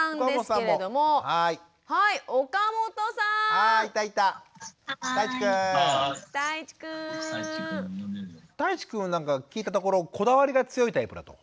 たいちくんは聞いたところこだわりが強いタイプだと。